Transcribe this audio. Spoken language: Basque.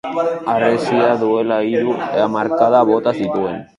Harresia duela hiru hamarkada bota zuten.